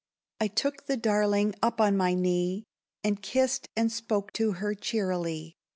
I took the darling up on my knee, And kissed, and spoke to her cheerily.